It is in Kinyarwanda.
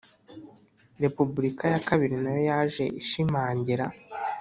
Repubulika ya kabiri nayo yaje ishimangira